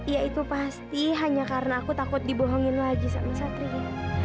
ya itu pasti hanya karena aku takut dibohongin lagi sama santrinya